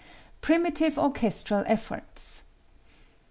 Primitive Orchestral Efforts.